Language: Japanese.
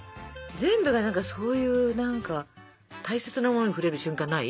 全部が何かそういう何か大切なものに触れる瞬間ない？